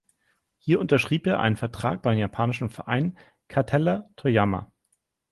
Hier unterschrieb er einen Vertrag beim japanischen Verein Kataller Toyama.